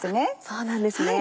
そうなんですね。